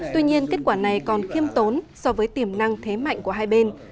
tuy nhiên kết quả này còn khiêm tốn so với tiềm năng thế mạnh của hai bên